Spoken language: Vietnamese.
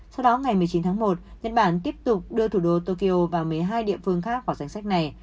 sau đó ngày một mươi chín tháng một nhật bản tiếp tục đưa thủ đô tokyo và một mươi hai địa phương khác vào danh sách này